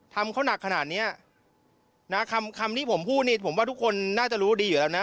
ทำเขาหนักขนาดเนี้ยนะคำคำที่ผมพูดนี่ผมว่าทุกคนน่าจะรู้ดีอยู่แล้วนะ